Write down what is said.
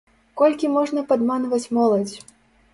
Колькі можна падманваць моладзь?!